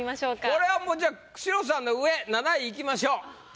これはもうじゃあ久代さんの上７位いきましょう。